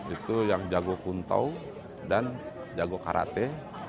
itu yang jago kuntau dan jago karate